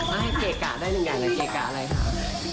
ให้เกะกะได้หนึ่งอย่างเลยเกะกะอะไรค่ะ